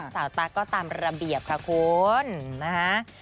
ตั๊กก็ตามระเบียบค่ะคุณนะฮะ